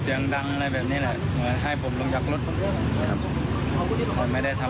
ไม่เค้านั่งอยู่ที่บ้านเค้าบอกเป็นบ้าน